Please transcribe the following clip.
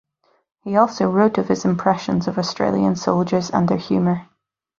He also wrote of his impressions of Australian soldiers and their humour.